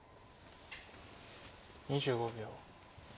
２５秒。